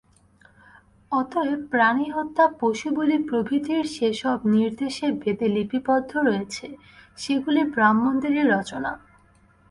অতএব প্রাণিহত্যা, পশুবলি প্রভৃতির যে-সব নির্দেশ বেদে লিপিবদ্ধ রয়েছে, সেগুলি ব্রাহ্মণদেরই রচনা।